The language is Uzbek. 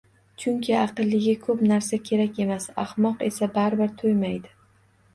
Chunki aqlliga ko`p narsa kerak emas, ahmoq esa baribir to`ymaydi